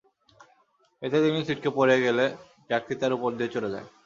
এতে তিনি ছিটকে পেড়ে গেলে ট্রাকটি তাঁর ওপর দিয়ে চলে যায়।